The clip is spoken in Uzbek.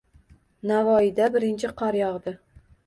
Navoiyda birinchi qor yog‘di